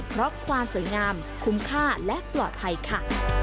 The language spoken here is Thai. เพราะความสวยงามคุ้มค่าและปลอดภัยค่ะ